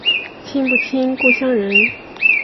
亲不亲故乡人